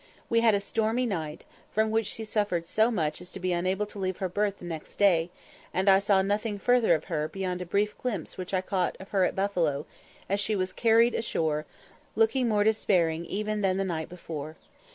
We had a stormy night, from which she suffered so much as to be unable to leave her berth the next day, and I saw nothing further of her beyond a brief glimpse which I caught of her at Buffalo, as she was carried ashore, looking more despairing even than the night before.